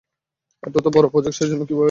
এটা এতো বড় প্রজেক্ট, সে জন্য কী ভয় লাগছে?